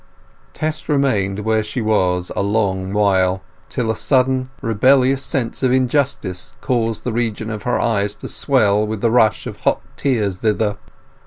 Tess remained where she was a long while, till a sudden rebellious sense of injustice caused the region of her eyes to swell with the rush of hot tears thither.